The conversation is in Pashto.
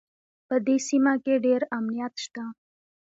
په دې سیمه کې ډېر امنیت شته